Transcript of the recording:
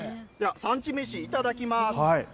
産地めし、いただきます。